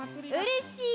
うれしい。